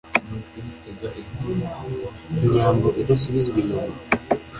Inyambo idasubizwa inyuma,